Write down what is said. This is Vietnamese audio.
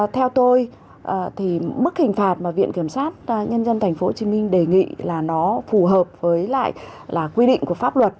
theo tôi thì mức hình phạt mà viện kiểm sát nhân dân tp hcm đề nghị là nó phù hợp với lại quy định của pháp luật